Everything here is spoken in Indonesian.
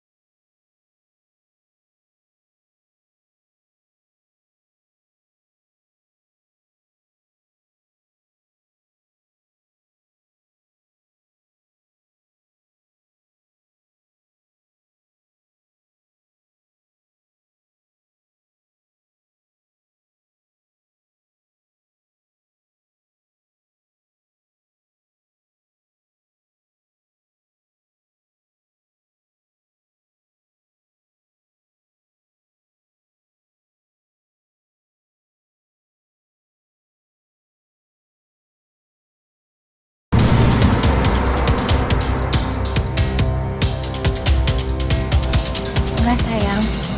aku sudah bikin